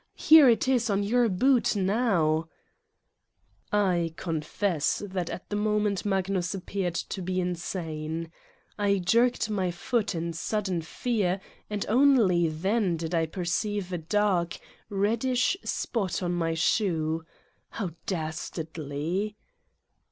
Here it is on your boot now " I confess that at the moment Magnus appeared to be insane. I jerked my foot in sudden fear and 27 Satan's Diary only then did I perceive a dark, reddish spot on my shoe how dastardly!